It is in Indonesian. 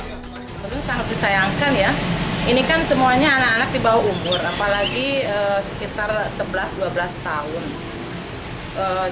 sebetulnya sangat disayangkan ya ini kan semuanya anak anak di bawah umur apalagi sekitar sebelas dua belas tahun